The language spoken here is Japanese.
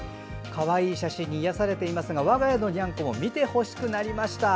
かわいい写真に癒やされていますが我が家のニャンコも見てもらいたくなりました。